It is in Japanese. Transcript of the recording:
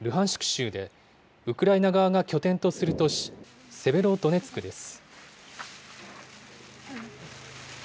州で、ウクライナ側が拠点とする都市、セベロドネツクです。